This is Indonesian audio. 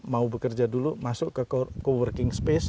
mau bekerja dulu masuk ke co working space